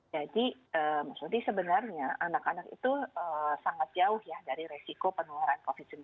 jadi maksudnya sebenarnya anak anak itu sangat jauh ya dari resiko penularan covid sembilan belas